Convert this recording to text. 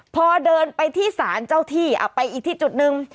พอเดินไปที่ศาลเจ้าที่ไปอีกที่จุดหนึ่ง